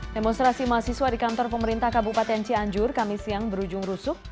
demonstrasi mahasiswa di kantor pemerintah kabupaten cianjur kami siang berujung rusuk